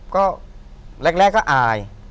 ก็แรกก็อาย